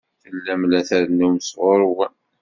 Tellam la d-trennum sɣur-wen.